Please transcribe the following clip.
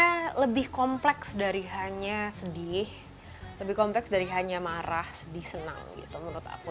karena lebih kompleks dari hanya sedih lebih kompleks dari hanya marah sedih senang gitu menurut aku